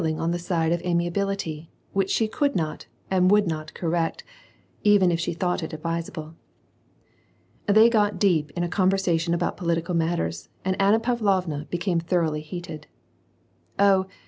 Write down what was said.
3 ing on the side of amiability, which she could not and would not correct, even if she thought it advisable. They got deep in a conversation about political matters, and Anna Pavlovna became thoroughly heated, —" Oh